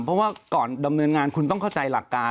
เพราะว่าก่อนดำเนินงานคุณต้องเข้าใจหลักการ